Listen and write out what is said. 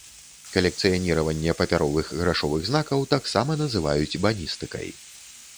Калекцыяніраванне папяровых грашовых знакаў таксама называюць баністыкай.